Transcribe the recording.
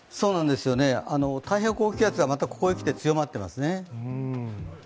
太平洋高気圧がまたここへ来て強まっていますね。